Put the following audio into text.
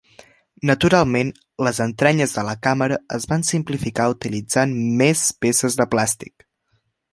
Naturalment, les entranyes de la càmera es van simplificar utilitzant més peces de plàstic.